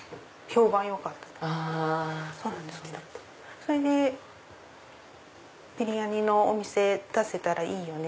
それでビリヤニのお店出せたらいいよね！